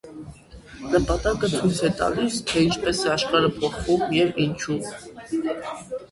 Նպատակը ցույց է տալիս, թե ինչպես է աշխարհը փոխվում և ինչու։